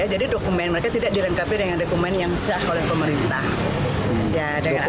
jadi dokumen mereka tidak direnkapi dengan dokumen yang sah oleh pemerintah